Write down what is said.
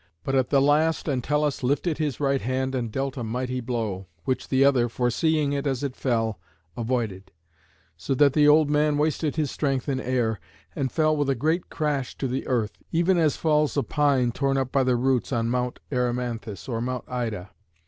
But at the last Entellus lifted his right hand and dealt a mighty blow, which the other, foreseeing it as it fell, avoided; so that the old man wasted his strength in air, and fell with a great crash to the earth, even as falls a pine torn up by the roots on Mount Erymanthus or Mount Ida.